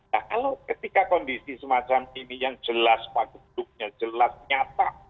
nah kalau ketika kondisi semacam ini yang jelas panggungnya jelas nyata